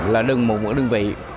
là đừng một bộ đơn vị